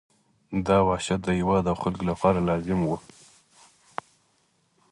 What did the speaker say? دا وحشت د هېواد او خلکو لپاره لازم وو.